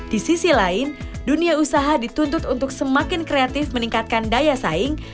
di sisi lain dunia usaha dituntut untuk semakin kreatif meningkatkan daya saing